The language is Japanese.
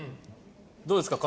どうですか？